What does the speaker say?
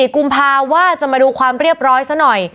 กุมภาว่าจะมาดูความเรียบร้อยซะหน่อย